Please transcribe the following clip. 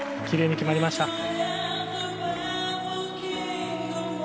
きれいに決まりました。